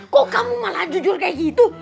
kok kamu malah jujur kayak gitu